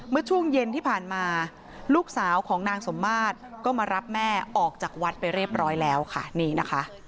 เมื่อช่วงเย็นที่ผ่านมาลูกสาวของนางสมมาตรก็มารับแม่ออกจากวัดไปเรียบร้อยแล้วค่ะนี่นะคะ